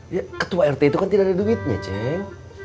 ya ketua rt itu kan tidak ada duitnya ceng